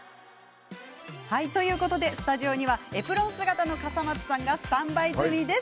スタジオにはエプロン姿の笠松さんがスタンバイ済みです。